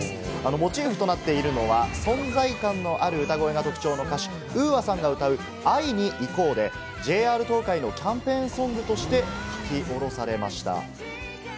モチーフとなっているのは存在感のある歌声が特徴の歌手・ＵＡさんが歌う『会いにいこう』で、ＪＲ東海のキャンペーンソングとして書き下ろされました。